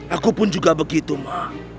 aku pun juga begitu mbak